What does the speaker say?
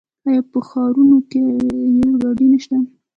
آیا په ښارونو کې ریل ګاډي نشته؟